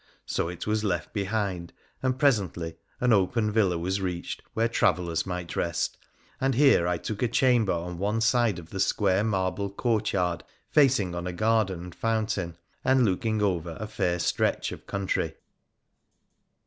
So it was left behind, and presently an open villa was reached where travellers might rest, and here I took a chamber on one side of the square marble courtyard, facing on a garden and foun tain, and looking over a fair stretch of country.